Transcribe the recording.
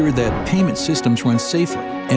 untuk memastikan sistem uang berjalan dengan lebih aman